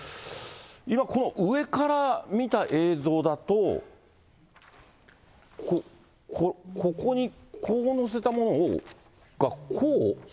今、この上から見た映像だと、ここにこう載せたものが、こう。